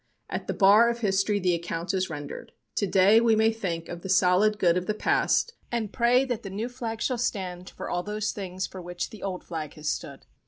At the bar of history the account is rendered. Today we may think of the solid good of the past, and pray that the new flag shall stand for all those things for which the old flag has stood."